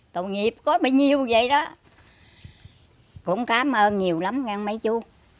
cũng cám ơn nhiều lắm nghe mấy chú